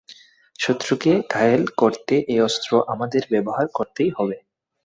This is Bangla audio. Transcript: শত্রুকে ঘায়েল করতে এ অস্ত্র আমাদের ব্যবহার করতেই হবে।